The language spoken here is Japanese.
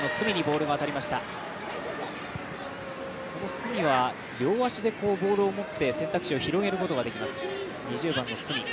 角は両足でボールを持って選択肢を広げることができます。